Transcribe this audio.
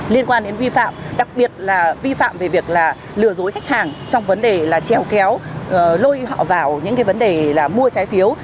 liên quan đến vi phạm đặc biệt là vi phạm về việc là lừa dối khách hàng trong vấn đề là treo kéo lôi họ vào những cái vấn đề là mua trái phiếu